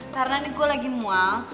karena nih gue lagi mual